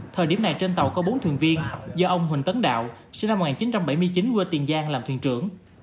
thời điểm này trên tàu có bốn thuyền viên do ông huỳnh tấn đạo sinh năm một nghìn chín trăm bảy mươi chín quê tiền giang làm thuyền trưởng